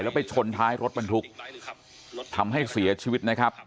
แล้วไปชนท้ายรถบรรทุกทำให้เสียชีวิตนะครับ